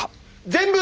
全部！